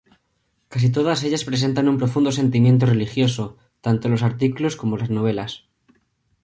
Casi todas ellas presentan un profundo sentimiento religioso, tanto los artículos como las novelas.